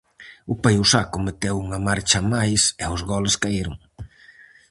O Paiosaco meteu unha marcha máis e os goles caeron.